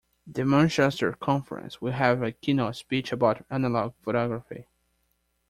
The Manchester conference will have a keynote speech about analogue photography.